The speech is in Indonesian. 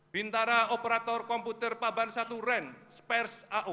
bintara operator komputer paban satu ren spers ao